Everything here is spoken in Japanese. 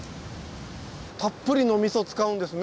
たっぷりのみそ使うんですね。